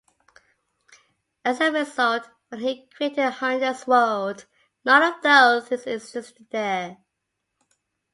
As a result, when he created Hunter's World none of those things existed there.